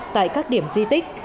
tại các điểm di tích